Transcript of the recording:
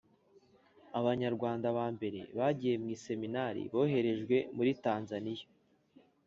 abanyarwanda ba mbere bagiye mu seminari boherejwe muritanzaniya